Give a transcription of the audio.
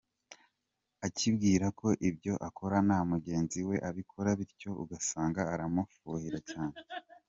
Akibwira ko ibyo akora na mugenzi we abikora, bityo ugasanga aramufuhira cyane.